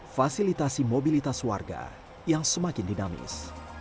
fasilitasi mobilitas warga yang semakin dinamis